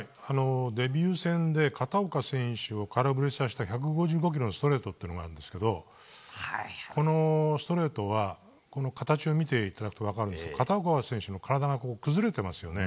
デビュー戦で片岡選手が空振りした１５５キロのストレートがあるんですけどこのストレートは形を見ていただくと分かるんですが片岡選手の体が崩れてますよね。